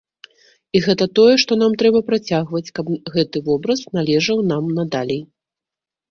І гэта тое, што нам трэба працягваць, каб гэты вобраз належаў нам надалей.